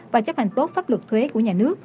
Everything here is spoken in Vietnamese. và chấp hành tốt pháp luật thuế của nhà nước